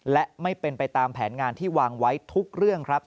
และไม่เป็นไปตามแผนงานที่วางไว้ทุกเรื่องครับ